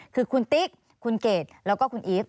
คือคุณติ๊กคุณเกดแล้วก็คุณอีฟ